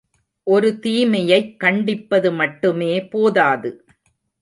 ஒரு தீமையைக் கண்டிப்பது மட்டுமே போதாது.